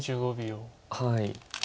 はい。